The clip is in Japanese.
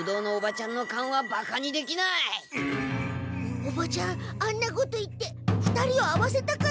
おばちゃんあんなこと言って２人を会わせたかったのかも。